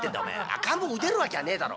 赤ん坊うでるわきゃねえだろ。